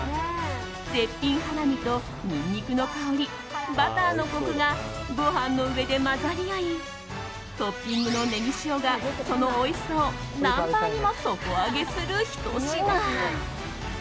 絶品ハラミとニンニクの香りバターのコクがご飯の上で混ざり合いトッピングのネギ塩がそのおいしさを何倍にも底上げするひと品。